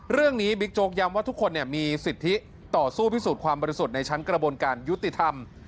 บิ๊กโจ๊กย้ำว่าทุกคนมีสิทธิต่อสู้พิสูจน์ความบริสุทธิ์ในชั้นกระบวนการยุติธรรม